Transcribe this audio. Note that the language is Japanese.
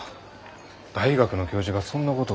大学の教授がそんなことを。